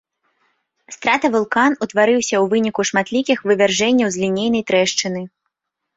Стратавулкан утварыўся ў выніку шматлікіх вывяржэнняў з лінейнай трэшчыны.